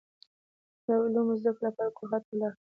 د نورو علومو زده کړې لپاره کوهاټ ته لاړ.